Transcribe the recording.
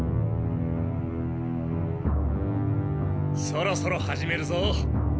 そろそろ始めるぞ。